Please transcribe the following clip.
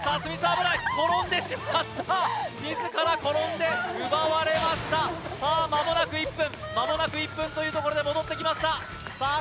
危ない転んでしまった自ら転んで奪われましたさあ間もなく１分間もなく１分というところで戻ってきましたさあ